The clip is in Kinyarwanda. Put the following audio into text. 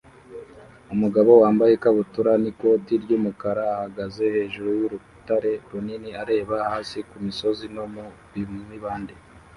Umugabo wambaye ikabutura n'ikoti ry'umukara ahagaze hejuru y'urutare runini areba hasi ku misozi no mu mibande